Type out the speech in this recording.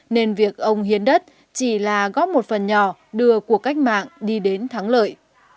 nên việc ông hiến đất chỉ là góp một phần nhỏ đưa cuộc cách mạng đi đến thắng lợi